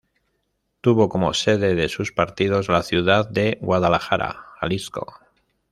Tuvo como sede de sus partidos la ciudad de Guadalajara, Jalisco.